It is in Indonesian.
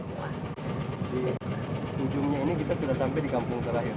di ujungnya ini kita sudah sampai di kampung terakhir